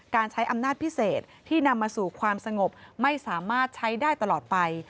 การใช้อำนาจพิเศษที่นำมาสู่ความสงบไม่สามารถใช้ได้ตลอดไป